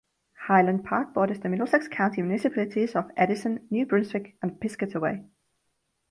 Highland Park borders the Middlesex County municipalities of Edison, New Brunswick, and Piscataway.